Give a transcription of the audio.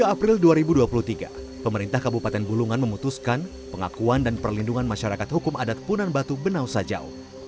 dua puluh april dua ribu dua puluh tiga pemerintah kabupaten bulungan memutuskan pengakuan dan perlindungan masyarakat hukum adat punan batu benau sajau